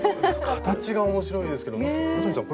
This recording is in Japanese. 形が面白いですけど野谷さん